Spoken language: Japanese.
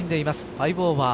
５オーバー。